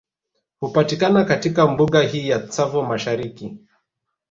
Hupatikana katika Mbuga hii ya Tsavo Mashariki